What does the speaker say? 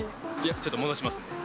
ちょっと戻しますね。